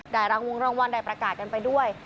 รางวงรางวัลได้ประกาศกันไปด้วย